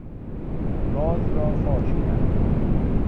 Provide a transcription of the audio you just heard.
راز را فاش کرد.